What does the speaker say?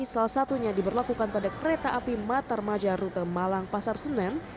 salah satunya diberlakukan pada kereta api matarmaja rute malang pasar senen